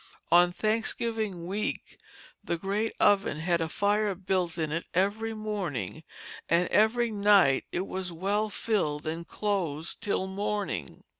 On Thanksgiving week the great oven had a fire built in it every morning, and every night it was well filled and closed till morning.